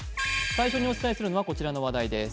最初にお伝えするのはこちらの話題です。